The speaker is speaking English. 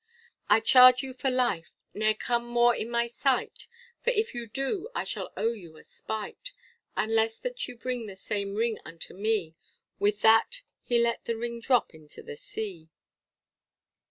I charge you for life, ne'er come more in my sight, For if you do, I shall owe you a spite; Unless that you bring the same ring unto me, With that he let the ring drop into the sea.